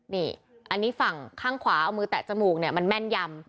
นี่อันนี้ฝั่งข้างขวาเอามือแตะจมูกเนี่ยมันแม่นยำ